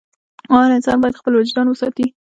هر انسان باید خپل وجدان وساتي.